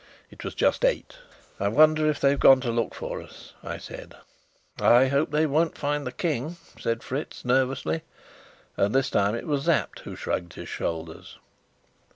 It was just eight. "I wonder if they've gone to look for us," I said. "I hope they won't find the King," said Fritz nervously, and this time it was Sapt who shrugged his shoulders.